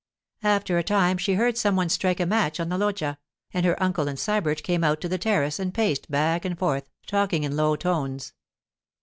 After a time she heard some one strike a match on the loggia, and her uncle and Sybert came out to the terrace and paced back and forth, talking in low tones.